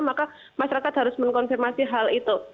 maka masyarakat harus mengkonfirmasi hal itu